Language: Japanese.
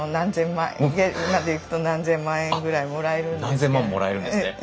あっ何千万もらえるんですね。